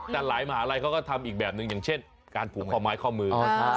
แต่หลายมหาลัยเขาก็ทำอีกแบบหนึ่งอย่างเช่นการผูกข้อไม้ข้อมือ